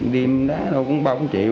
điểm đá đâu cũng bao nhiêu triệu